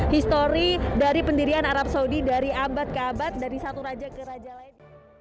penyelidikan arab saudi dari abad ke abad dari satu raja kerajaan